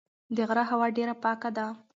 د غره هوا ډېره پاکه ده.